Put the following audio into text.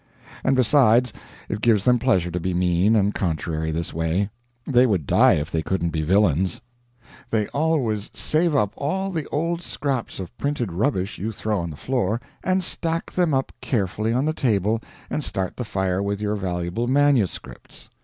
And, besides, it gives them pleasure to be mean and contrary this way. They would die if they couldn't be villains. They always save up all the old scraps of printed rubbish you throw on the floor, and stack them up carefully on the table, and start the fire with your valuable manuscripts.